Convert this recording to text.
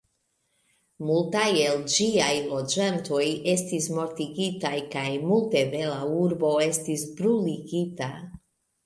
Multaj el ĝiaj loĝantoj estis mortigitaj kaj multe de la urbo estis bruligita.